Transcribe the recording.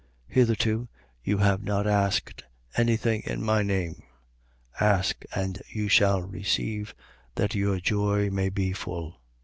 16:24. Hitherto, you have not asked any thing in my name. Ask, and you shall receive; that your joy may be full.